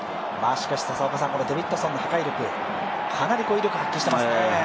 しかしデビッドソンの破壊力かなり威力発揮してますね。